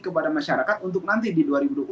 kepada masyarakat untuk nanti di dua ribu dua puluh empat